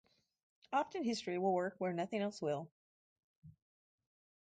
Often history will work where nothing else will.